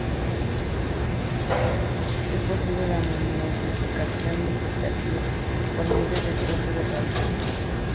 Es posible la multiplicación vegetativa por medio de trozos de raíces.